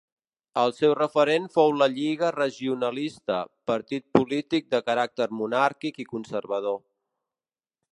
El seu referent fou la Lliga Regionalista, partit polític de caràcter monàrquic i conservador.